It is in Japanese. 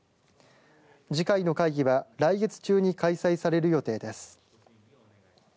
次回の会議は来月中に開催される予定です。